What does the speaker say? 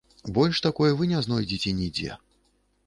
Больш такой вы не знойдзеце нідзе.